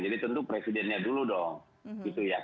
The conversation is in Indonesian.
jadi tentu presidennya dulu dong